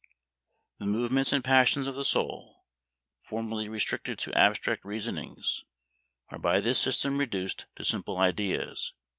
The movements and passions of the soul, formerly restricted to abstract reasonings, are by this system reduced to simple ideas.